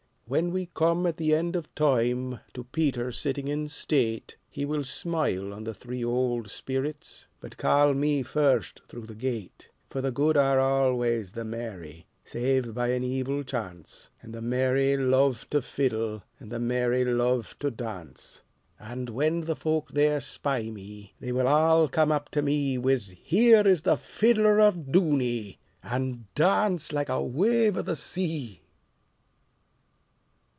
When we come at the end of time, To Peter sitting in state, He will smile on the three old spirits, But call me first through the gate; For the good are always the merry, Save by an evil chance, And the merry love the fiddleAnd the merry love to dance:And when the folk there spy me, They will all come up to me, With 'Here is the fiddler of Dooney!'And dance like a wave of the sea.